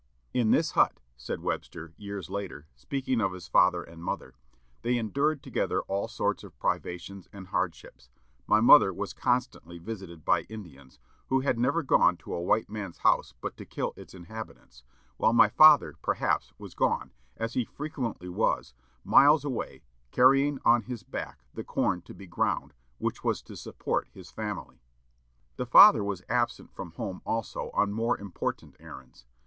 "In this hut," said Webster, years later, speaking of his father and mother, "they endured together all sorts of privations and hardships; my mother was constantly visited by Indians, who had never gone to a white man's house but to kill its inhabitants, while my father, perhaps, was gone, as he frequently was, miles away, carrying on his back the corn to be ground, which was to support his family." The father was absent from home, also, on more important errands.